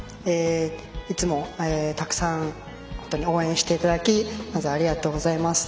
いつもたくさん応援していただきまずありがとうございます。